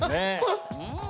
うん。